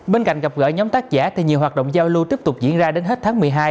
bên cạnh gặp gỡ nhóm tác giả thì nhiều hoạt động giao lưu tiếp tục diễn ra đến hết tháng một mươi hai